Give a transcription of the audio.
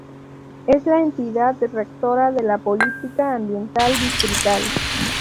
Es la entidad rectora de la política ambiental distrital.